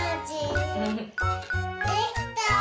できた！